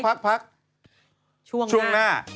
ปั๊กพักช่วงหน้า